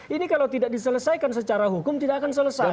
ini kalau tidak diselesaikan secara hukum tidak akan selesai